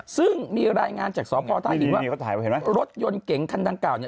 ซึ่งมีรายงานจากสอบพ่อท่านถึงว่ารถยนต์เก๋งท่านด้านกล่าว